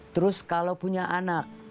terus kalau punya anak